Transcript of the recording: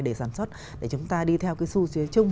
để sản xuất để chúng ta đi theo cái su truyền